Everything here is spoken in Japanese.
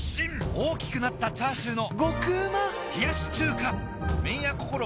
大きくなったチャーシューの麺屋こころ